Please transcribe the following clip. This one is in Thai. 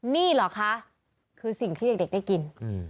นี่เหรอคะคือสิ่งที่เด็กได้กิน